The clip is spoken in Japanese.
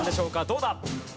どうだ？